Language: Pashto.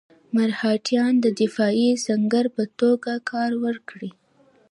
مرهټیان د دفاعي سنګر په توګه کار ورکړي.